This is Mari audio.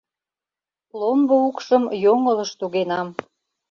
Ломбо укшым йоҥылыш тугенам.